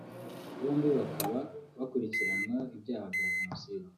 bombi bakaba bakurikiranyweho ibyaha bya jenoside